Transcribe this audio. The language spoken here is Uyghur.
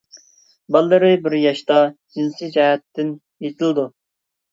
بالىلىرى بىر ياشتا جىنسىي جەھەتتىن يېتىلىدۇ.